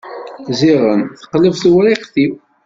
Ziɣen teqleb tewriqt-iw.